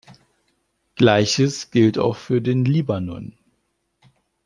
Gleiches gilt auch für den Libanon.